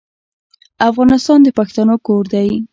افغانستان د پښتنو کور دی.